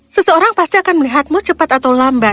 seseorang pasti akan melihatmu cepat atau lambat